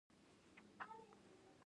د ساساني پاچا پیروز یې وواژه